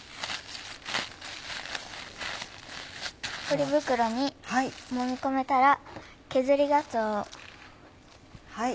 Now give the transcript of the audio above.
ポリ袋にもみ込めたら削りがつおを。